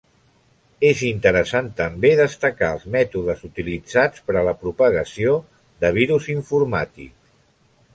És interessant també destacar els mètodes utilitzats per a la propagació de virus informàtics.